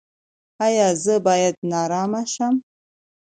ایا زه باید نارامه شم؟